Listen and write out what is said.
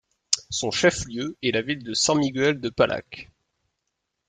Son chef-lieu est la ville de San Miguel de Pallaques.